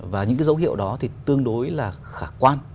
và những dấu hiệu đó tương đối là khả quan